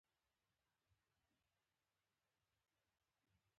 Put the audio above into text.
دین نوی کول بله معنا نه لري.